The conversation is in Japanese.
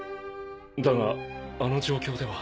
だがあの状況では。